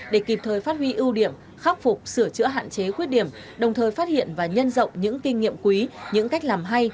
để kịp thời phát huy ưu điểm khắc phục sửa chữa hạn chế khuyết điểm đồng thời phát hiện và nhân rộng những kinh nghiệm quý những cách làm hay